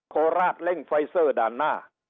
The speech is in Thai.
โคราชเร่งไฟเซอร์ด่านหน้า